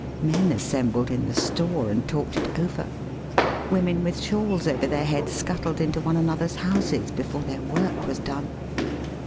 [Men assembled in the store and talked it over, women with shawls over their heads scuttled into one another's houses before their work was done.